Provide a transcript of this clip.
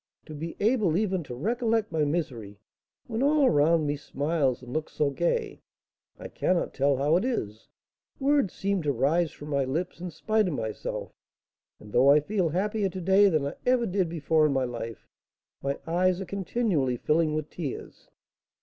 to be able even to recollect my misery, when all around me smiles and looks so gay! I cannot tell how it is, words seem to rise from my lips in spite of myself; and, though I feel happier to day than I ever did before in my life, my eyes are continually filling with tears!